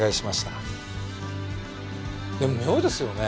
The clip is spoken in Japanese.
でも妙ですよね。